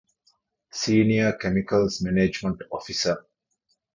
ސީނިއަރ ކެމިކަލްސް މެނޭޖްމަންޓް އޮފިސަރ